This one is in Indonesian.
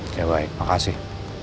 ya baik makasih